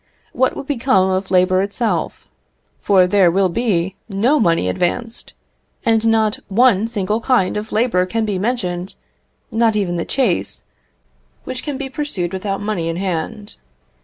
What would become of labour itself? for there will be no money advanced, and not one single kind of labour can be mentioned, not even the chase, which can be pursued without money in hand.